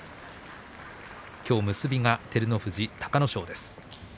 きょう結び照ノ富士は隆の勝です。